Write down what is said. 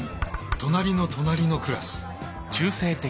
隣の隣のクラス。